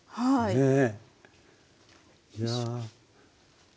ねえ。